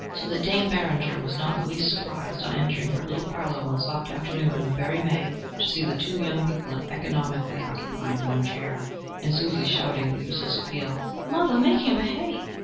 So that Dame Barringer was not in the least surprised, on entering her little parlor one soft afternoon in that very May, to see the two young people economically occupying one chair, and Susie shouting the useless appeal, "Mother, make him behave!"